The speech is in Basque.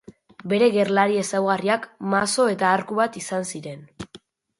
Bere gerlari ezaugarriak, mazo eta arku bat izan ziren.